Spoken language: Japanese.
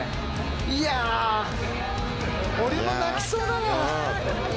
いやぁ俺も泣きそうだな。